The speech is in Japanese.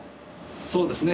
そうですね。